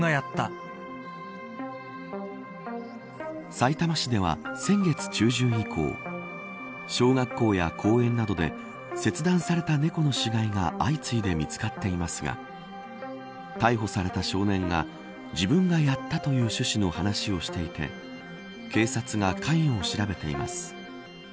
さいたま市では、先月中旬以降小学校や公園などで切断された猫の死骸が相次いで見つかっていますが逮捕された少年が自分がやったという趣旨の話をしていて警察が関与を調べています。